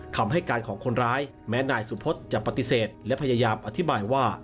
คำให้การของคนร้ายแม้นายสุพธจะปฏิเสธและพยายามอธิบายว่า